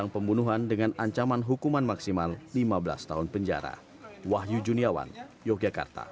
pembunuhan adalah faktor ekonomi